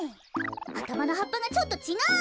あたまのはっぱがちょっとちがう。